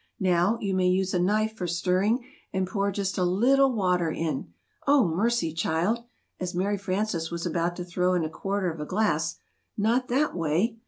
"Now, you may use a knife for stirring and pour just a little water in oh, mercy! child! (as Mary Frances was about to throw in a quarter of a glass) not that way!